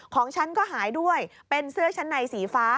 ของฉันก็หายด้วยเป็นเสื้อชั้นในสีฟ้า